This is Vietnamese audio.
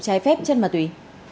trái phép chất ma túy